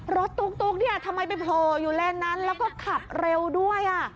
ตุ๊กเนี่ยทำไมไปโผล่อยู่เลนนั้นแล้วก็ขับเร็วด้วย